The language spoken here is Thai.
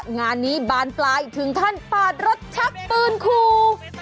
งานนี้บานปลายถึงขั้นปาดรถชักปืนคู่